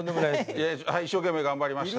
一生懸命頑張りました。